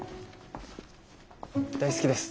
大好きです。